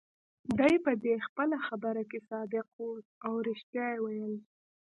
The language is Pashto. دی په دې خپله خبره کې صادق وو، او ريښتیا يې ویل.